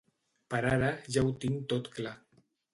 Per ara ja ho tinc tot clar.